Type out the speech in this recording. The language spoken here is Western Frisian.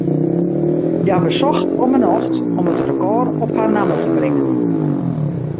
Hja besocht om 'e nocht om it rekôr op har namme te bringen.